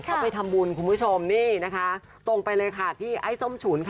เขาไปทำบุญคุณผู้ชมนี่นะคะตรงไปเลยค่ะที่ไอ้ส้มฉุนค่ะ